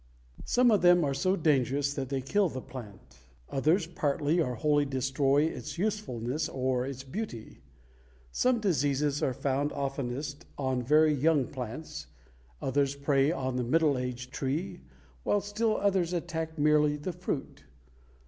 Some of them are so dangerous that they kill the plant; others partly or wholly destroy its usefulness or its beauty. Some diseases are found oftenest on very young plants, others prey on the middle aged tree, while still others attack merely the fruit.